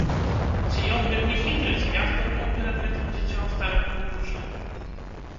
Ці ён вельмі хітры, ці я здурнеў перад гэтым дзіцём, старым будучы.